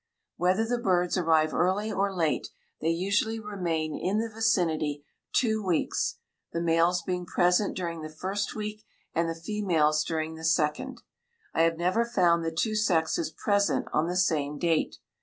Whether the birds arrive early or late they usually remain in the vicinity two weeks, the males being present during the first week and the females during the second. I have never found the two sexes present on the same date.